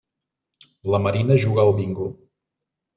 La Marina juga al bingo.